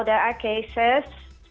tapi sekarang ada kes